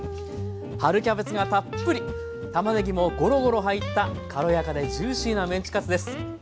春キャベツがたっぷりたまねぎもゴロゴロ入った軽やかでジューシーなメンチカツです。